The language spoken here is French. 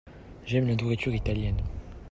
J'aime la nourriture italienne.